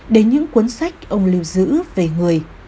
đến những cuốn sách ông lưu giữ về người